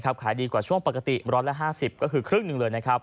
ขายดีกว่าช่วงปกติ๑๕๐ก็คือครึ่งหนึ่งเลยนะครับ